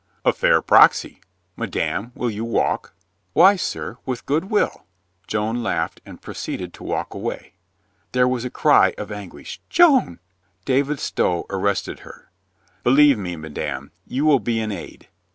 "A fair proxy. Madame, will you walk?" "Why, sir, with good will," Joan laughed and proceeded to walk away. There was a cry of anguish. "Joan !" David Stow arrested her. "Believe me, madame, you will be an aid."